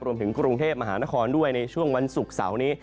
รวมถึงกรุงเทพมหานครด้วยในช่วงวันศุกร์เสาร์นี้